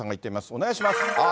お願いします。